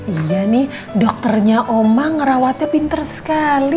iya nih dokternya omang ngerawatnya pinter sekali